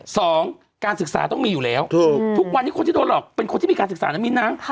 การศึกษาต้องมีอยู่แล้วถูกทุกวันนี้คนที่โดนหลอกเป็นคนที่มีการศึกษานะมิ้นนะ